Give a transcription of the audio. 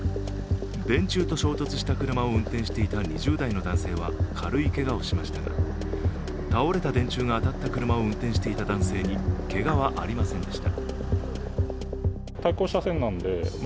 電柱と衝突した車を運転していた２０代の男性は軽いけがをしましたが倒れた電柱が当たった車を運転していた男性にけがはありませんでした。